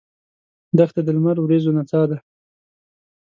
دښته د لمر وریځو نڅا ده.